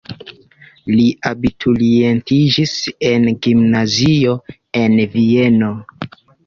Li abiturientiĝis en gimnazio en Vieno.